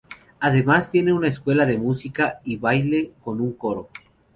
Además tiene una escuela de música y baile con un coro.